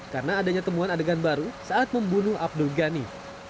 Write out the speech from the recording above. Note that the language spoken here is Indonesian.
karena adanya temuan adegan baru saat membunuh abdul ghani